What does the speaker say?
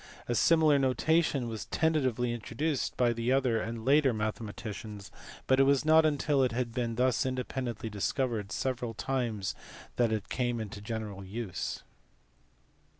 A similar notation was ten tatively introduced by other and later mathematicians, but it was not until it had been thus independently discovered several times that it came into general use.